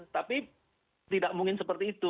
tapi tidak mungkin seperti itu